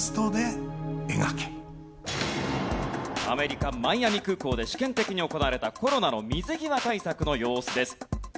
アメリカマイアミ空港で試験的に行われたコロナの水際対策の様子です。